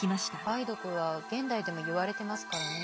梅毒は現代でもいわれてますからね。